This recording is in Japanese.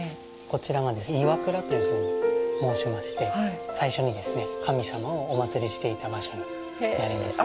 こちらがですね、磐座というふうに申しまして、最初に神様をお祀りしていた場所になります。